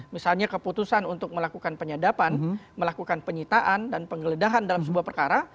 misalnya keputusan untuk melakukan penyadapan melakukan penyitaan dan penggeledahan dalam sebuah perkara